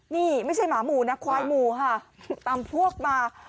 นี่ไม่ใช่หมาหมู่นะควายหมู่ค่ะตามพวกมา